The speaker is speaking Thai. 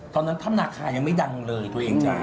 ตอนนั้นถ้ำนาคายังไม่ดังเลยตัวเองจ้ะ